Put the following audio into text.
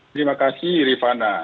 terima kasih rifana